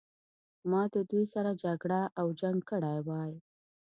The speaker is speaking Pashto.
ما د دوی سره جګړه او جنګ کړی وای.